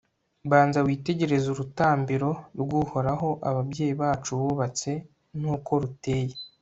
banza witegereze urutambiro rw'uhoraho ababyeyi bacu bubatse, n'uko ruteye